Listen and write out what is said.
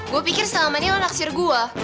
gue pikir selama ini lo naksir gue